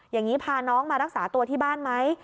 อย่างนี้พาน้องมารักษาตัวที่บ้านไหม